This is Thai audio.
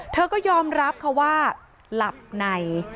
เธอก็ยอมรับว่ารักไหน